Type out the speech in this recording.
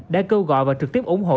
đã kêu gọi và trực tiếp ủng hộ